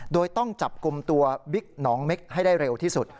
โดยต้องจับกลุ่มตัวบิ๊กหนองเม็กให้ได้เร็วที่สุด